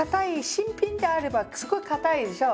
新品であればすごいかたいでしょう？